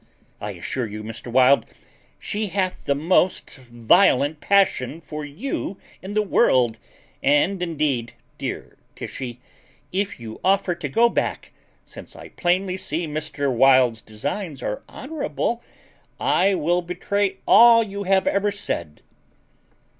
I assure you, Mr. Wild, she hath the most violent passion for you in the world; and indeed, dear Tishy, if you offer to go back, since I plainly see Mr. Wild's designs are honourable, I will betray all you have ever said."